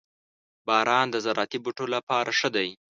• باران د زراعتي بوټو لپاره ښه دی.